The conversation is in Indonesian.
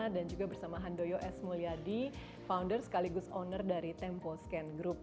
dan juga bersama handoyo s mulyadi founder sekaligus owner dari tempo scan group